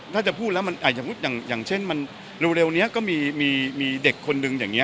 ถ้าจะพูดแล้วอย่างเช่นมันเร็วนี้ก็มีเด็กคนนึงอย่างนี้